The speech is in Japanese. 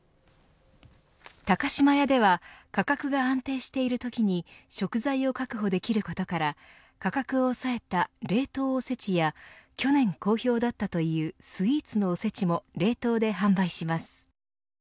高島屋では価格が安定しているときに食材を確保できることから価格を抑えた冷凍おせちや去年好評だったというスイーツのおせちも冷凍で販売します。